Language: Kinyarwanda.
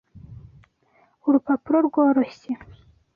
Urupapuro rworoshye.